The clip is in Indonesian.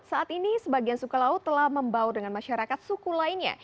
saat ini sebagian suku laut telah membaur dengan masyarakat suku lainnya